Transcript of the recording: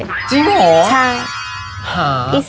จริงเหรอ